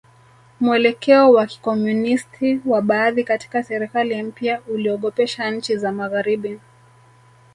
Mwelekeo wa Kikomunisti wa baadhi katika serikali mpya uliogopesha nchi za Magharibi